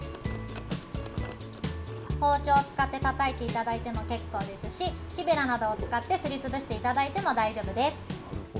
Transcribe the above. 包丁を使ってたたいていただいても結構ですし木べらなどを使ってすりつぶしていただいても大丈夫です。